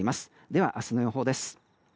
では、明日の予報です。